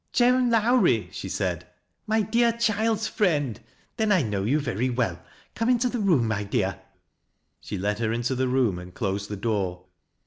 " Joan Lowrie !" she said. " My dear child's fi'iend 1 Then I know you very well. Come into the room, my dear." She led her into the room and closed the door.